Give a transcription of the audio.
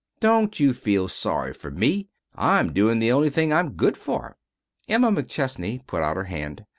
Don't you feel sorry for me. I'm doing the only thing I'm good for." Emma McChesney put out her hand.